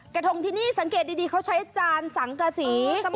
กระทงที่นี่สังเกตดีเขาใช้จานสังกษี